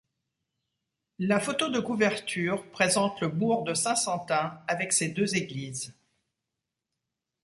La photo de couverture présente le bourg de Saint-Santin avec ses deux églises.